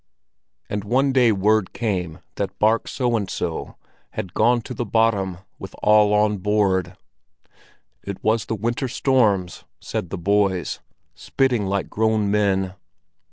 And one day word came that bark so and so had gone to the bottom with all on board. It was the winter storms, said the boys, spitting like grown men.